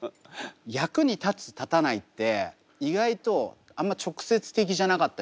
役に立つ立たないって意外とあんま直接的じゃなかったりするんですよ。